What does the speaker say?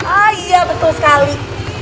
ah iya betul sekali